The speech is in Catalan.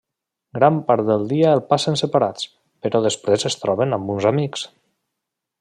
Gran part del dia el passen separats, però després es troben amb uns amics.